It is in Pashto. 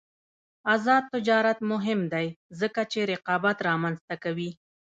آزاد تجارت مهم دی ځکه چې رقابت رامنځته کوي.